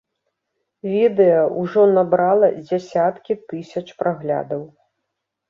Відэа ўжо набрала дзясяткі тысяч праглядаў.